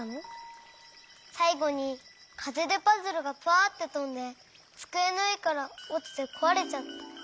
さいごにかぜでパズルがパァってとんでつくえのうえからおちてこわれちゃった。